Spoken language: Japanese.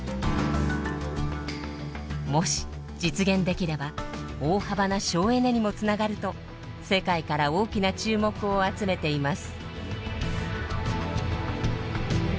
もし実現できれば大幅な省エネにもつながると世界から大きな注目を集めています。